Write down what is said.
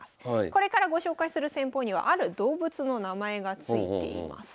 これからご紹介する戦法にはある動物の名前がついています。